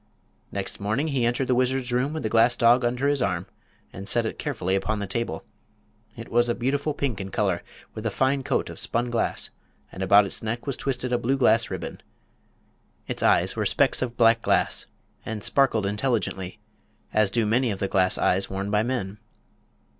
Next morning he entered the wizard's room with the glass dog under his arm and set it carefully upon the table. It was a beautiful pink in color, with a fine coat of spun glass, and about its neck was twisted a blue glass ribbon. Its eyes were specks of black glass and sparkled intelligently, as do many of the glass eyes worn by men.